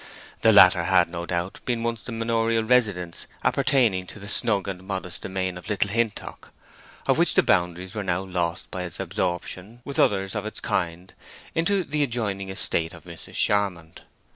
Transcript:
The latter had, without doubt, been once the manorial residence appertaining to the snug and modest domain of Little Hintock, of which the boundaries were now lost by its absorption with others of its kind into the adjoining estate of Mrs. Charmond.